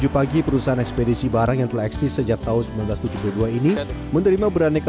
pagi perusahaan ekspedisi barang yang telah eksis sejak tahun seribu sembilan ratus tujuh puluh dua ini menerima beraneka